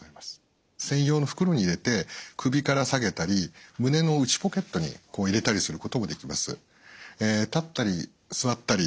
専用の袋に入れて首から提げたり胸の内ポケットに入れたりすることもできます。